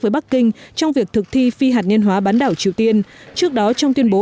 với bắc kinh trong việc thực thi hạt nhân hóa bán đảo triều tiên trước đó trong tuyên bố